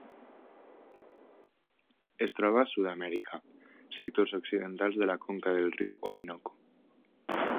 Es troba a Sud-amèrica: sectors occidentals de la conca del riu Orinoco.